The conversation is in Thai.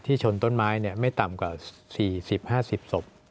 ที่ชนต้นไม้เนี่ยไม่ต่ำกว่าสี่สิบห้าสิบศพ